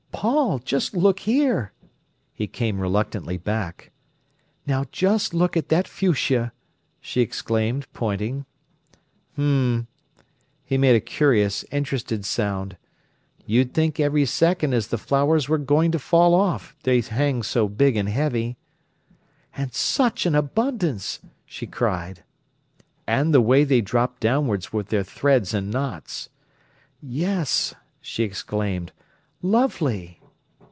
"Paul! Just look here!" He came reluctantly back. "Now, just look at that fuchsia!" she exclaimed, pointing. "H'm!" He made a curious, interested sound. "You'd think every second as the flowers was going to fall off, they hang so big an' heavy." "And such an abundance!" she cried. "And the way they drop downwards with their threads and knots!" "Yes!" she exclaimed. "Lovely!"